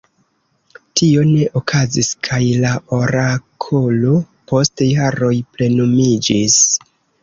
Tio ne okazis kaj la orakolo post jaroj plenumiĝis.